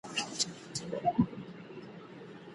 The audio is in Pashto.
په قلم خط لیکل د ځمکي پر سر د انسان د خلافت نښه ده.